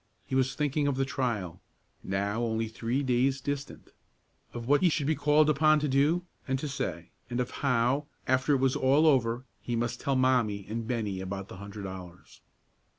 He was thinking of the trial, now only three days distant, of what he should be called upon to do and to say, and of how, after it was all over, he must tell Mommie and Bennie about the hundred dollars.